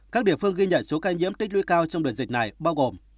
các địa phương ghi nhận số ca nhiễm tích nuôi cao trong đợt dịch này bao gồm